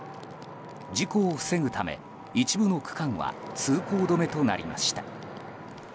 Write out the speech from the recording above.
事故を防ぐため、一部の区間は通行止めとなりました。